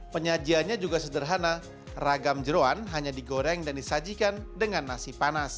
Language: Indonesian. penyajiannya juga sederhana ragam jeruan hanya digoreng dan disajikan dengan nasi panas